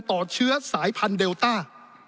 เชื้อสายพันธุเดลต้า